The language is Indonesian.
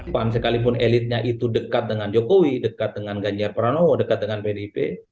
pan sekalipun elitnya itu dekat dengan jokowi dekat dengan ganjar pranowo dekat dengan pdip